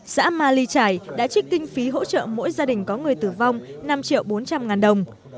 xã ma ly trải đã trích kinh phí hỗ trợ mỗi gia đình có người tử vong năm triệu bốn trăm linh ngàn đồng